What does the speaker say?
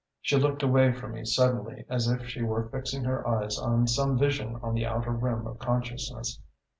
"She looked away from me suddenly, as if she were fixing her eyes on some vision on the outer rim of consciousness.